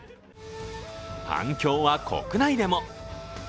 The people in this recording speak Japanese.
反響は国内でも。